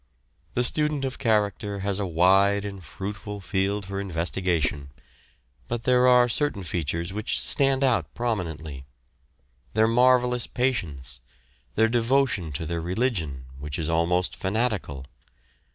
The student of character has a wide and fruitful field for investigation, but there are certain features which stand out prominently their marvellous patience, their devotion to their religion, which is almost fanatical.